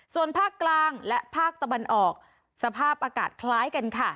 ส่วนภาคกลางและภาคตะวันออกสภาพอากาศคล้ายกันค่ะ